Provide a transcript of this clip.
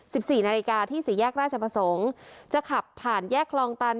สิบสี่นาฬิกาที่สี่แยกราชประสงค์จะขับผ่านแยกคลองตัน